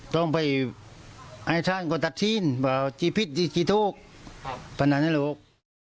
ต้องไปอาณาจรรย์กว่าตัดทิ้นว่าที่พิษที่ทุกข์ปัญหาในโลก